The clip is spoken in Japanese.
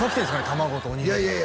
卵とおにぎりいや